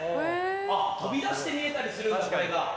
飛び出して見えたりするんだこれが。